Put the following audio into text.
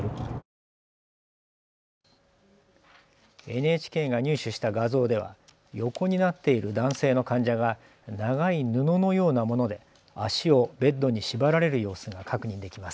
ＮＨＫが入手した画像では横になっている男性の患者が長い布のようなもので足をベッドに縛られる様子が確認できます。